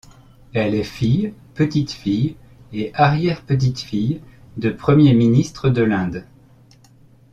Elle est fille, petite-fille et arrière-petite-fille de premiers ministres de l'Inde.